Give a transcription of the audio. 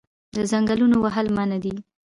د ځنګلونو وهل منع دي